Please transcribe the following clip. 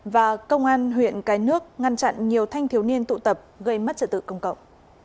và công an huyện cái nước ngăn chặn nhiều thanh thiếu niên tụ tập gây mất trật tự công cộng